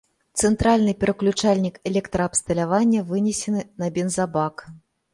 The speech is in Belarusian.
Цэнтральны пераключальнік электраабсталявання вынесены на бензабак.